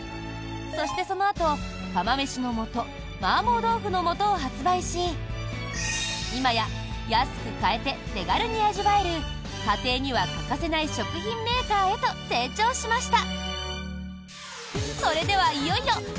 そして、そのあと「釜めしの素」「麻婆豆腐の素」を発売し今や安く買えて手軽に味わえる家庭には欠かせない食品メーカーへと成長しました。